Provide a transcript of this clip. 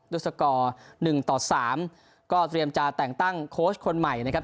ด้วยสก่อหนึ่งต่อสามก็เตรียมจาแต่งตั้งคนใหม่นะครับ